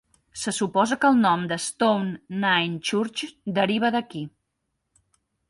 Se suposa que el nom de Stowe Nine Churches deriva d'aquí.